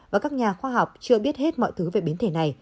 và các nhà khoa học chưa biết hết mọi thứ về biến thể này